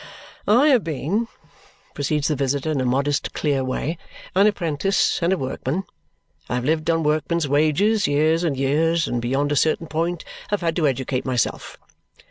"I have been," proceeds the visitor in a modest, clear way, "an apprentice and a workman. I have lived on workman's wages, years and years, and beyond a certain point have had to educate myself.